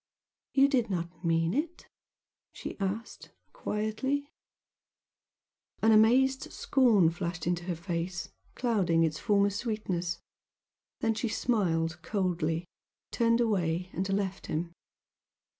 "You did not mean it?" she asked, quietly. An amazed scorn flashed into her face, clouding its former sweetness then she smiled coldly, turned away and left him.